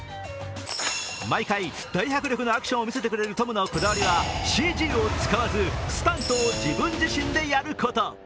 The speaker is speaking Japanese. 毎回大迫力のアクションを見せてくれるトムのこだわりは、ＣＧを使わずスタントを自分自身でやること。